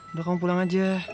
udah kamu pulang aja